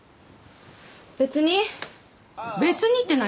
別に「別に」って何？